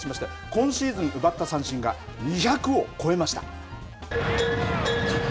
今シーズン奪った三振は２００を超えました。